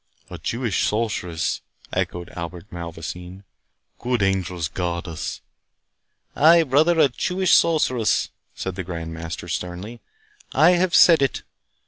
"A Jewish sorceress!" echoed Albert Malvoisin; "good angels guard us!" "Ay, brother, a Jewish sorceress!" said the Grand Master, sternly. "I have said it.